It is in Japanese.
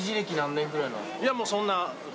いやもうそんな。